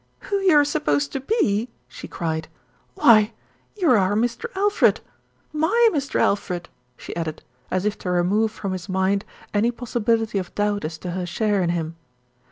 "Who you are supposed to be !" she cried. "Why, you're our Mr. Alfred, my Mr. Alfred," she added, as if to remove from his mind any possibility of doubt as to her share in him.